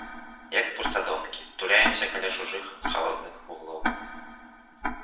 Як пустадомкі, туляемся каля чужых халодных вуглоў.